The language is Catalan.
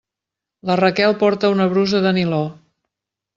La Raquel porta una brusa de niló.